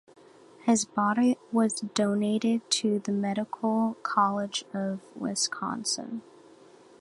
His body was donated to the Medical College of Wisconsin.